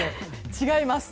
違います。